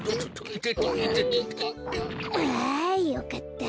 あよかった。